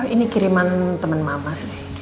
ini kiriman teman mama sih